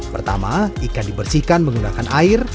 pertama ikan dibersihkan menggunakan air